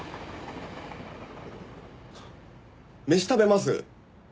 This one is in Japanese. あっ飯食べます？